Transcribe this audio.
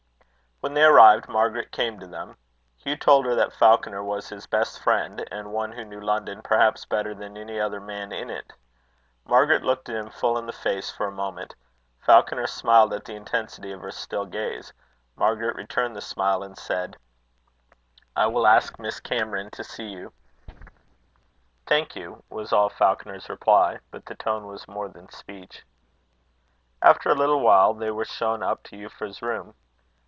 When they arrived, Margaret came to them. Hugh told her that Falconer was his best friend, and one who knew London perhaps better than any other man in it. Margaret looked at him full in the face for a moment. Falconer smiled at the intensity of her still gaze. Margaret returned the smile, and said: "I will ask Miss Cameron to see ye." "Thank you," was all Falconer's reply; but the tone was more than speech. After a little while, they were shown up to Euphra's room.